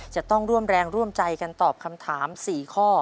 จะต้องร่วมแรงร่วมใจกันตอบคำถาม๔ข้อ